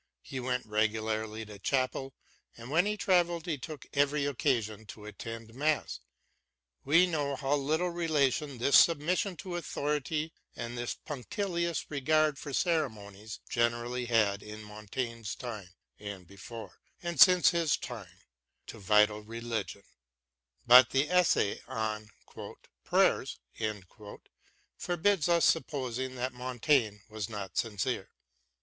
He went regu larly to chapel, and when he travelled he took every occasion to attend mass. We know how little relation this submission to authority and this punctilious regard for ceremonies generally had in Montaigne's time, and before and since his time, to vital religion ; but the essay on " Prayers " forbids us supposing that Montaigne was not sincere.